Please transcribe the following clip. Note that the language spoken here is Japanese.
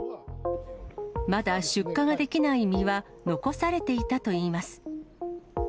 まだ出荷ができない実は、残されていたといいます。